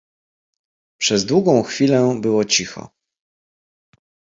"Przez długą chwilę było cicho."